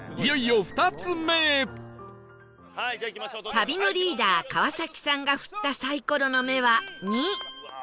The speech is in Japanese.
旅のリーダー川さんが振ったサイコロの目は２